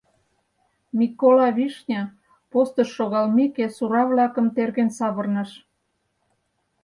Микола Вишня, постыш шогалмеке, сура-влакым терген савырныш.